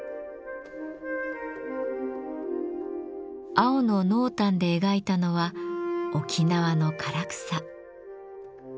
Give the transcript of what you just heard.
青の濃淡で描いたのは沖縄の唐草。